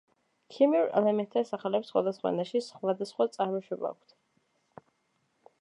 ქიმიურ ელემენტთა სახელებს სხვადასხვა ენაში სხვადასხვა წარმოშობა აქვთ.